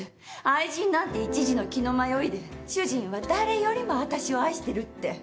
愛人なんて一時の気の迷いで主人は誰よりも私を愛してるって。